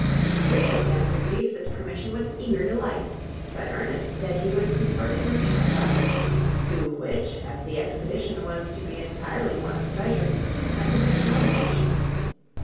Three of them received this permission with eager delight, but Ernest said he would prefer to remain with us; to which, as the expedition was to be entirely one of pleasure, I could make no objection.